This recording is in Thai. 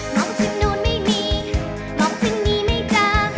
มองถึงโน่นไม่มีมองถึงหนีไม่เจอ